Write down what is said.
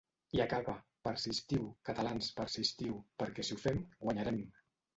I acaba: ‘Persistiu, catalans, persistiu, perquè si ho fem, guanyarem!’